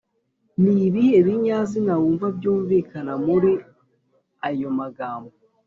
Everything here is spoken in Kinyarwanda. ni ibihe binyazina mwumva byumvikana muri ayo magambo?